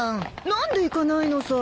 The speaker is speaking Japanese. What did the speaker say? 何で行かないのさ。